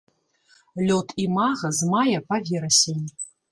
Лёт імага з мая па верасень.